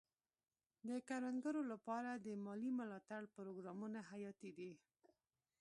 د کروندګرو لپاره د مالي ملاتړ پروګرامونه حیاتي دي.